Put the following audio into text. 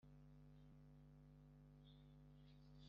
uwabyandikishije mbere ashobora abikoze nabi